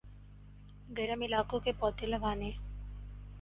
گرم علاقوں کے پودے لگانے